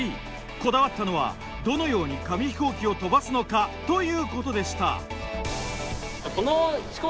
こだわったのはどのように紙飛行機を飛ばすのかということでした。